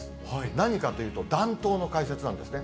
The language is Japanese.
何かというと、暖冬の解説なんですね。